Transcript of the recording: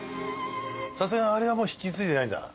さすがにあれはもう引き継いでないんだ。